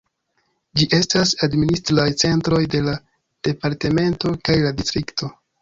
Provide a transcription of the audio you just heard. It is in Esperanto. Ĝi estas administraj centroj de la departemento kaj la distrikto.